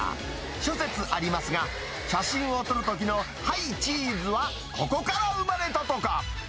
諸説ありますが、写真を撮るときのはいチーズは、ここから生まれたとか。